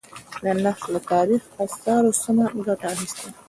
د نرخ له تاريخي آثارو سمه گټه اخيستل: